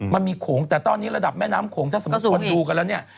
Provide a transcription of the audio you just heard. โขงแต่ตอนนี้ระดับแม่น้ำโขงถ้าสมมุติคนดูกันแล้วเนี่ย